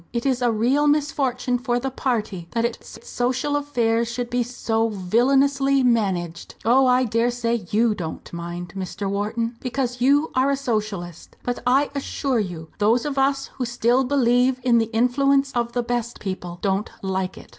It is a real misfortune for the party that its social affairs should be so villainously managed. Oh! I dare say you don't mind, Mr. Wharton, because you are a Socialist. But, I assure you, those of us who still believe in the influence of the best people don't like it."